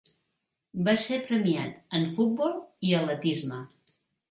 Va ser premiat en futbol i atletisme.